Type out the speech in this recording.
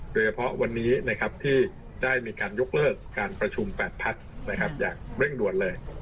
โดยเฉพาะวันนี้ที่ได้มีการยกเลิกการประชุม๘พักอย่างเร่งด่วนเลย